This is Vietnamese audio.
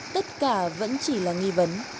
tất cả vẫn chỉ là nghi vấn